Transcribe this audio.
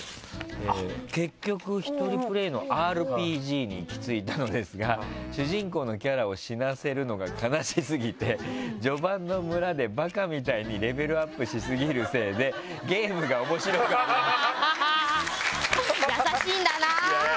結局１人プレーのＲＰＧに行きついたのですが主人公のキャラを死なせるのが悲しすぎて序盤の村でバカみたいにレベルアップしすぎるせいでゲームが面白くありません。